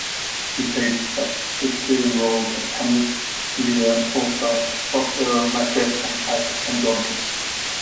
He played such Shakespearean roles as Hamlet, Lear, Falstaff, Prospero, Macbeth and Titus Andronicus.